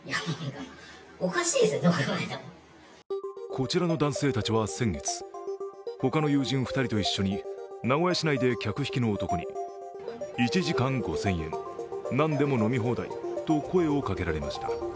こちらの男性たちは先月、他の友人２人と一緒に名古屋市内で客引きの男に１時間５０００円、何でも飲み放題と声をかけられました。